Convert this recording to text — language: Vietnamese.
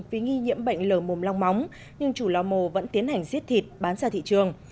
vì nghi nhiễm bệnh lở mồm long móng nhưng chủ lò mồ vẫn tiến hành giết thịt bán ra thị trường